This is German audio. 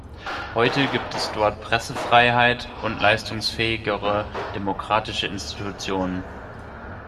Heute gibt es dort Pressefreiheit und leistungsfähigere demokratische Institutionen.